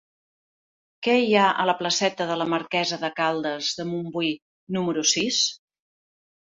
Què hi ha a la placeta de la Marquesa de Caldes de Montbui número sis?